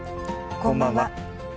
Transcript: こんばんは。